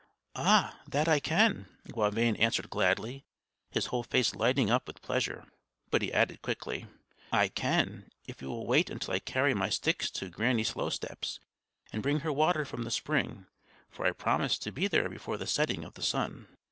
"Ay, that I can," Gauvain answered gladly, his whole face lighting up with pleasure; but he added quickly, "I can, if you will wait until I carry my sticks to Granny Slowsteps, and bring her water from the spring; for I promised to be there before the setting of the sun."